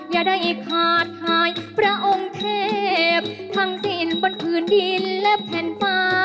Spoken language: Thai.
อย่าได้อีคคาทายพระองค์เธพทางสินบนพื้นดินและแผ่นปะ